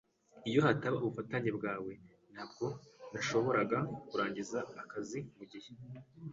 Iyo hataba ubufatanye bwawe, ntabwo nashoboraga kurangiza akazi mugihe.